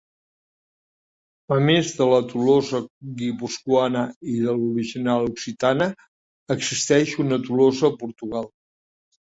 A més de la Tolosa guipuscoana i de l'original occitana, existeix una Tolosa a Portugal.